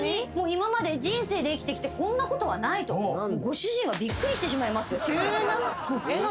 今まで人生で生きてきてこんなことはないとご主人はびっくりしてしまいます。